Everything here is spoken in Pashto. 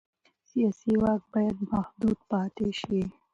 سیاسي واک باید محدود پاتې شي